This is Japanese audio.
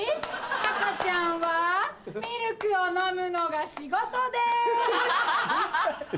赤ちゃんはミルクを飲むのが仕事です。